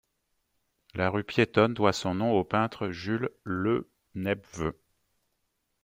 La rue piétonne doit son nom au peintre Jules Lenepveu.